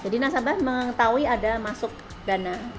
jadi nasabah mengetahui ada masuk dana